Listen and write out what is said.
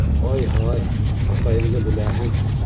Ай-һай, атайыңды беләһең.